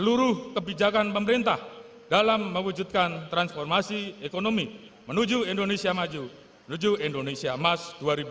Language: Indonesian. seluruh kebijakan pemerintah dalam mewujudkan transformasi ekonomi menuju indonesia maju menuju indonesia emas dua ribu dua puluh empat